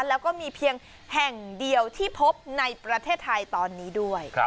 แล้วก็มีเพียงแห่งเดียวที่พบในประเทศไทยตอนนี้ด้วย